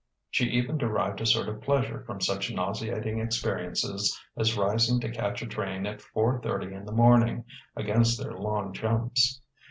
She even derived a sort of pleasure from such nauseating experiences as rising to catch a train at four thirty in the morning, against their "long jumps."